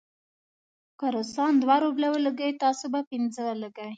که روسان دوه روبله ولګوي، تاسې به پنځه ولګوئ.